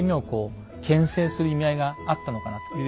こうけん制する意味合いがあったのかなと。